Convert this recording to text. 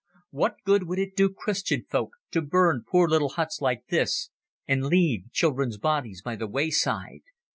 What good would it do Christian folk to burn poor little huts like this and leave children's bodies by the wayside?